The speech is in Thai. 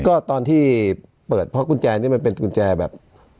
ก็ตอนที่เปิดเพราะกุญแจนี่มันเป็นกุญแจแบบ